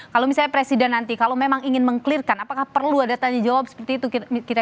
kalau misalnya presiden nanti kalau memang ingin mengkliarkan apakah perlu ada tanya jawab seperti itu kira kira